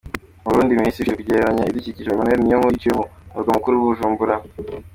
Mu Burundi ministri ushinzwe kurengera ibidukikije, Emmanuel Niyonkuru, yiciwe mu murwa mukuru Bujumbura.